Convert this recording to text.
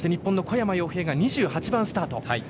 小山陽平が２８番スタート。